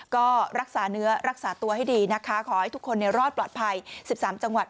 ก็รักษาเนื้อรักษาตัวให้ดีนะคะขอให้ทุกคนรอดปลอดภัย๑๓จังหวัด